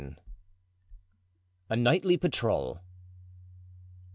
A Nightly Patrol.